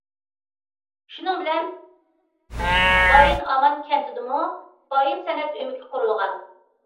شۇنىڭ بىلەن، بايىن ئامان كەنتىدىمۇ‹‹ بايىن سەنئەت ئۆمىكى›› قۇرۇلغان.